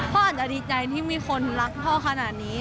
อาจจะดีใจที่มีคนรักพ่อขนาดนี้